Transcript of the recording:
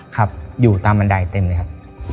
ครับอยู่ตามบันไดเต็มเลยครับ